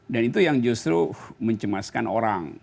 dan itu yang justru mencemaskan orang